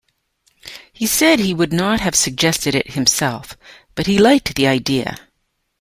He said he would not have suggested it himself, but he liked the idea.